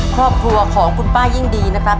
ครอบครัวของคุณป้ายิ่งดีนะครับ